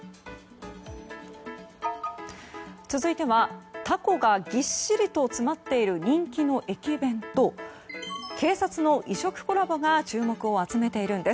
続いてはタコがぎっしりと詰まっている人気の駅弁と警察の異色コラボが注目を集めているんです。